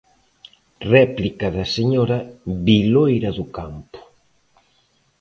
Réplica da señora Viloira do Campo.